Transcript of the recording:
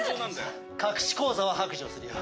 隠し口座は白状するよ。